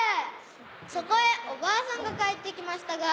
そこへおばあさんが帰ってきましたが。